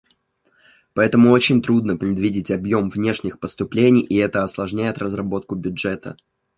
Поэтому очень трудно предвидеть объем внешних поступлений, и это осложняет разработку бюджета.